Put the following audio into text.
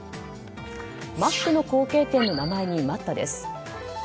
マックの後継店の名前に待ったです。